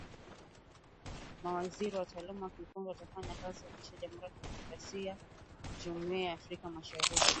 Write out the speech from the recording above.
Mawaziri na wataalamu wa kiufundi watafanya kazi kuhakikisha Jamhuri ya Kidemokrasia ya Kongo inaunganishwa kwenye vyombo vya Jumuiya ya Afrika Mashariki.